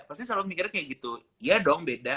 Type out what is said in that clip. pasti selalu mikirnya kayak gitu iya dong beda